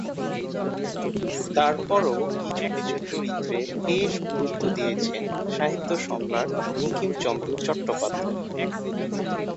তারপরও কিছু কিছু চরিত্রে বেশ গুরুত্ব দিয়েছেন ‘সাহিত্য সম্রাট’ বঙ্কিমচন্দ্র চট্টোপাধ্যায়।